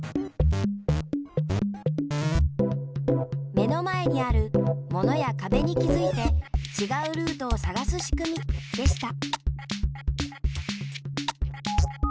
目の前にあるものやかべに気づいてちがうルートをさがすしくみでした。